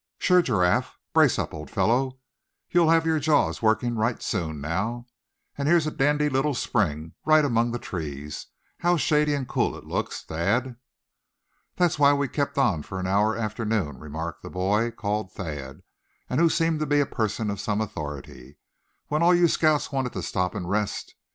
"Sure, Giraffe. Brace up old fellow. You'll have your jaws working right soon, now. And here's a dandy little spring, right among the trees! How shady and cool it looks, Thad." "That's why we kept on for an hour after noon," remarked the boy called Thad, and who seemed to be a person of some authority; "when all you scouts wanted to stop and rest.